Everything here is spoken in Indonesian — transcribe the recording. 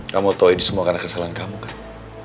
kamu tahu ini semua karena kesalahan kamu kan